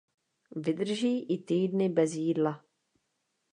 Vydrží i týdny bez jídla.